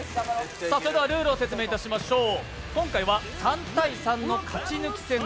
それでは、ルールを説明いたしましょう。